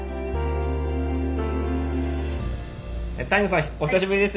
谷野さんお久しぶりです。